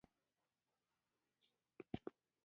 انساني امکانات خپل حد لري.